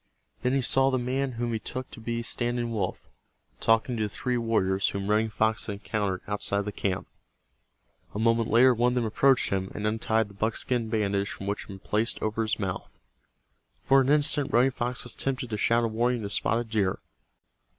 Then he saw the man whom he took to be Standing Wolf, talking to the three warriors whom Running Fox had encountered outside of the camp. A moment later one of them approached him, and untied the buckskin bandage which had been placed over his mouth. For an instant Running Fox was tempted to shout a warning to Spotted Deer.